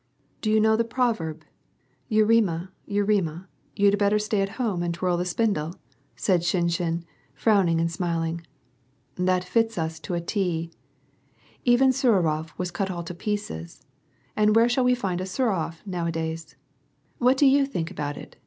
" Do you know the proverb, * Yerema, Yerema, you'd better stay at home and twirl the spindle ?" said Shinshin, frowning and smiling. " That fits us to a T. Even Suvarof was cut all to pieces, and where shall we find a Suvarof nowadays ? ^Vhat do you think about it